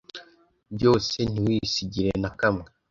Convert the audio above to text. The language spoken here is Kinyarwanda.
byose ntiwisigire na kamwe